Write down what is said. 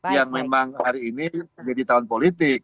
yang memang hari ini meditasi politik